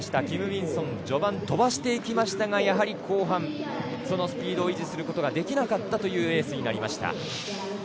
キム・ミンソンは序盤飛ばしてきましたがやはり後半、そのスピードを維持することができなかったというレースになりました。